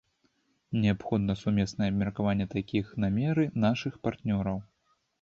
Неабходна сумеснае абмеркаванне такіх намеры нашых партнёраў.